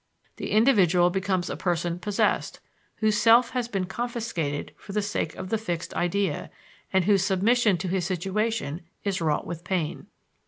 The individual becomes a person "possessed," whose self has been confiscated for the sake of the fixed idea, and whose submission to his situation is wrought with pain.